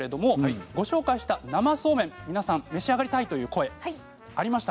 ご紹介した生そうめん召し上がりたいという声がありました。